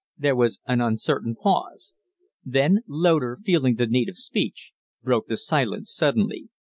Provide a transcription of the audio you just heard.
There was an uncertain pause. Then Loder, feeling the need of speech, broke the silence suddenly.